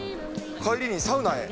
帰りにサウナへ。